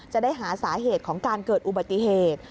จะได้หาสาเหตุของการเกิดอุบัติเหตุ